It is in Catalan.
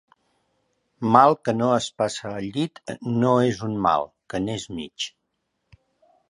Mal que no es passa al llit no és un mal, que n'és mig.